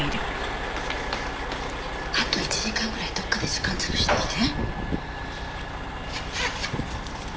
あと１時間ぐらいどこかで時間潰してきて。